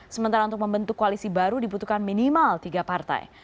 sementara untuk membentuk koalisi baru dibutuhkan minimal tiga partai